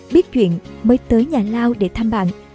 biết chuyện mới tới nhà lao để thăm bạn